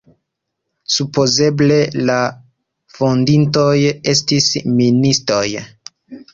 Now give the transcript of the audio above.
Supozeble la fondintoj estis ministoj.